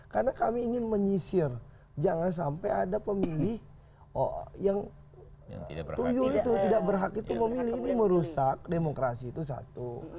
karena kami ingin menyisir jangan sampai ada pemilih yang tujuh itu tidak berhak itu memilih ini merusak demokrasi itu satu